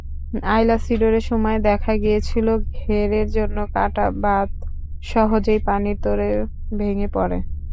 আইলা-সিডরের সময় দেখা গিয়েছিল, ঘেরের জন্য কাটা বাঁধ সহজেই পানির তোড়ে ভেঙে পড়ে।